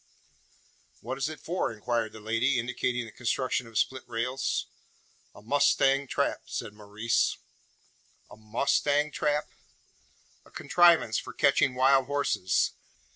"What is it for?" inquired the lady, indicating the construction of split rails. "A mustang trap," said Maurice. "A mustang trap?" "A contrivance for catching wild horses.